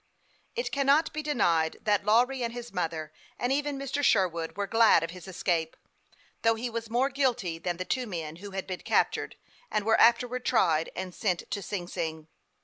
It cannot be denied that Lawry and his mother, and even Mr. Shenvood, were glad of his escape, though he was more guilty than the two men who had been captured and were afterwards tried and sent to Sing Sing.